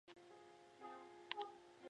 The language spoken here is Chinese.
王沂孙人。